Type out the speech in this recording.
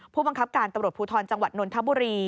ผู้บังคับการตำรวจภูทรจังหวัดนนทบุรี